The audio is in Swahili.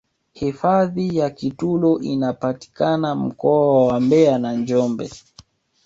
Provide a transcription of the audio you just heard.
hifadhi ya kitulo inapatikana mkoa wa mbeya na njombe